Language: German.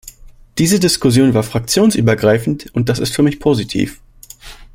Diese Diskussion war fraktionsübergreifend, und das ist für mich positiv.